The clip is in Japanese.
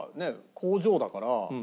工場だから。